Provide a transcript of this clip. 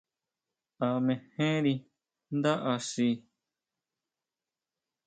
¿A mejenri ndá axi?